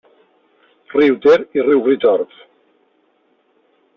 Riu Ter i riu Ritort.